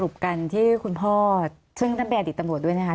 สรุปกันที่คุณพ่อซึ่งท่านเป็นอาติศตรรวจด้วยนะคะ